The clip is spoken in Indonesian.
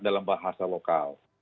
dalam bahasa lokal